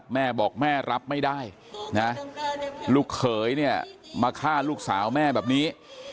แม่บอกแม่รับไม่ได้นะลูกเขยเนี่ยมาฆ่าลูกสาวแม่แบบนี้